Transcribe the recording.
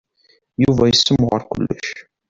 Yuba yessemɣar kullec.